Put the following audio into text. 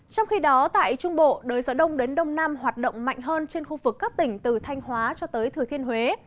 trong khi đó tại trung bộ đới gió đông đến đông nam hoạt động mạnh hơn trên khu vực các tỉnh từ thanh hóa cho tới thừa thiên huế